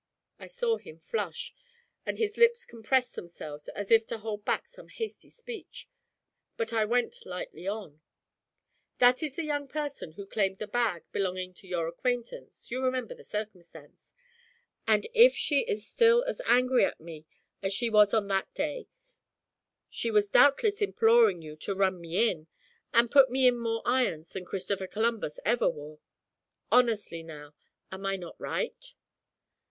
I saw him flush, and his lips compress themselves as if to hold back some hasty speech, but I went lightly on: 'That is the young person who claimed the bag belonging to your acquaintance you remember the circumstance and if she is still as angry at me as she was on that day she was doubtless imploring you to "run me in," and put me in more irons than Christopher Columbus ever wore. Honestly now, am I not right?'